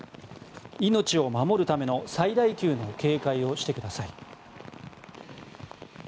命を守るための最大級の警戒をしてください。